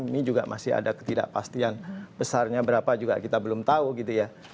ini juga masih ada ketidakpastian besarnya berapa juga kita belum tahu gitu ya